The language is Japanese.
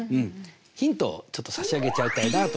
ヒントをちょっと差し上げちゃいたいなと思います。